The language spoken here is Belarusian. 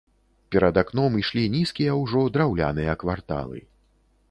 Перад акном ішлі нізкія ўжо, драўляныя кварталы.